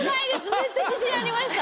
めっちゃ自信ありました。